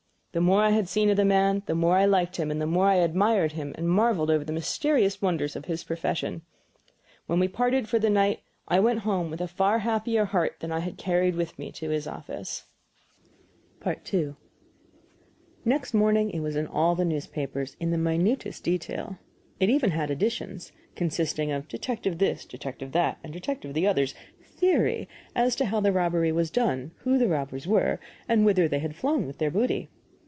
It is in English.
The more I had seen of the man the more I liked him and the more I admired him and marveled over the mysterious wonders of his profession. Then we parted for the night, and I went home with a far happier heart than I had carried with me to his office. II Next morning it was all in the newspapers, in the minutest detail. It even had additions consisting of Detective This, Detective That, and Detective The Other's "Theory" as to how the robbery was done, who the robbers were, and whither they had flown with their booty.